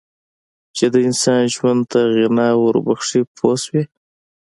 چې د انسان ژوند ته غنا ور بخښي پوه شوې!.